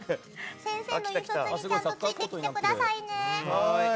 先生の引率にちゃんとついてきてくださいね。